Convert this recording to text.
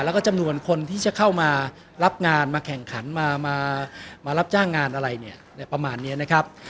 แล้วก็จำนวนคนที่จะเข้ามารับงานมาแข่งขันมารับจ้างงานอะไรเนี่ยอะไรประมาณนี้นะครับ